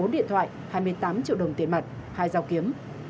bốn điện thoại hai mươi tám triệu đồng tiền mặt hai giao kiếm